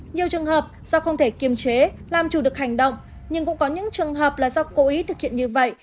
nhiều trường hợp do không thể kiềm chế làm chủ được hành động nhưng cũng có những trường hợp là do cố ý thực hiện như vậy